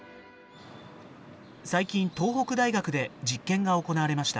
最近東北大学で実験が行われました。